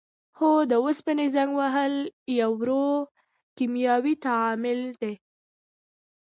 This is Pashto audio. هو د اوسپنې زنګ وهل یو ورو کیمیاوي تعامل دی.